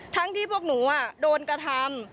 ที่พวกหนูโดนกระทำ